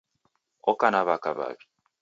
Oka na waka w'aw'i